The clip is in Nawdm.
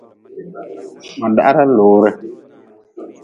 Ma dahra lore.